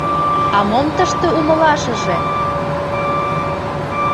А мом тыште умылашыже?!